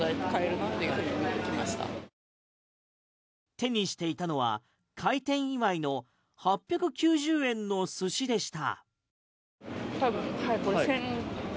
手にしていたのは開店祝いの８９０円の寿司でした。